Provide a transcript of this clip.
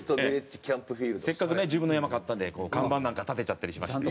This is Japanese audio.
せっかくね自分の山買ったんで看板なんか立てちゃったりしまして。